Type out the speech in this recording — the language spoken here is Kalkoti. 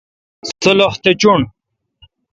سلُخ تہ چُݨ۔